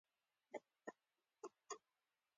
بنسټونه یې د استعمار په دوره کې زیان نه شول.